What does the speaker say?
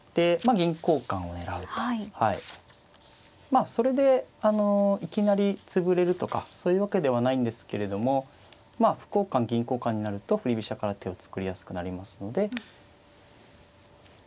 まあそれでいきなり潰れるとかそういうわけではないんですけれどもまあ歩交換銀交換になると振り飛車から手を作りやすくなりますので。